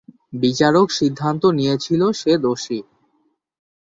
বিচারক সিদ্ধান্ত নিয়েছিল, সে দোষী।